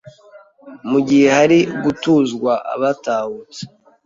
mu gihe hari gutuzwa abatahutse.